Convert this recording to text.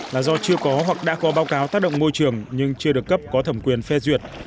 là do chưa có hoặc đã có báo cáo tác động môi trường nhưng chưa được cấp có thẩm quyền phê duyệt